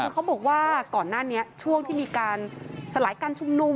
คือเขาบอกว่าก่อนหน้านี้ช่วงที่มีการสลายการชุมนุม